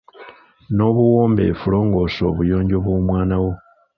N'obuwombeefu longoosa obuyonjo bw'omwana wo.